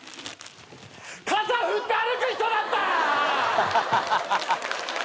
傘振って歩く人だった！！